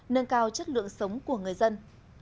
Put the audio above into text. nâng cao chất lượng sống của người dân